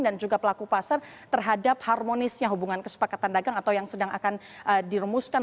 dan juga pelaku pasar terhadap harmonisnya hubungan kesepakatan dagang atau yang sedang akan diremuskan